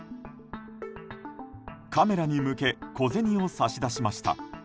カメラに向け小銭を差し出しました。